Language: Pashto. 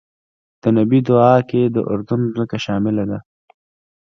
د نبی دعا کې د اردن ځمکه شامله ده.